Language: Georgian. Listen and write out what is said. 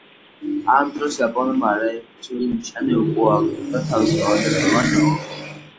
ამ დროის იაპონურმა არაერთი ძველი ნიშანი უკუაგდო და თავის დღევანდელ ფორმას დაუახლოვდა.